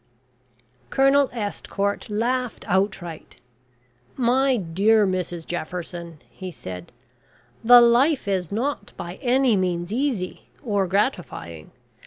Colonel Estcourt laughed outright. "My dear Mrs Jefferson," he said, "the life is not by any means easy, or gratifying.